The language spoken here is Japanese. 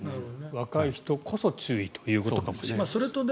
若い人こそ注意ということかもしれません。